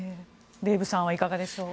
デーブさんはいかがでしょう。